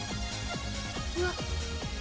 うわっ。